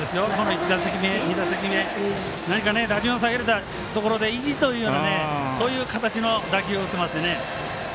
１打席目、２打席目何か打順を下げられたところで意地というようなそういう形の打球を打っています。